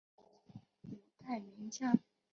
五代名将。